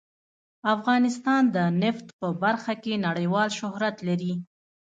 افغانستان د نفت په برخه کې نړیوال شهرت لري.